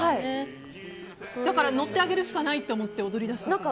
だから乗ってあげるしかないと思って踊りだしたんですか。